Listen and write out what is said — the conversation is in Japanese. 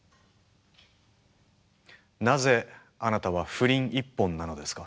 なぜあなたは不倫一本なのですか？